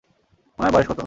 উনার বয়স কত?